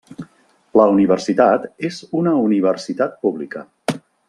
La universitat és una universitat pública.